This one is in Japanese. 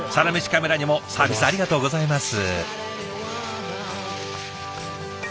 カメラにもサービスありがとうございます。